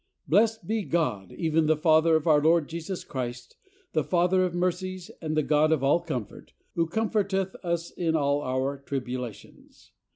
"Blessed be God, even the Father of our Lord Jesus Christ, the Father of mercies and the God of all comfort, who comforteth us in all our tribulations.